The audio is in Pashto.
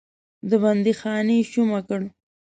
د بندیخانې شومه کړ.